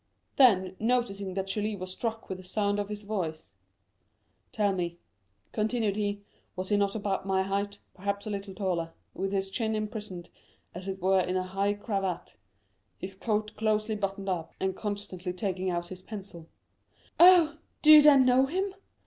Then, noticing that Julie was struck with the sound of his voice: "Tell me," continued he, "was he not about my height, perhaps a little taller, with his chin imprisoned, as it were, in a high cravat; his coat closely buttoned up, and constantly taking out his pencil?" "Oh, do you then know him?"